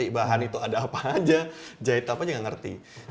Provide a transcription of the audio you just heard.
bahan itu ada apa aja jahit apa aja nggak ngerti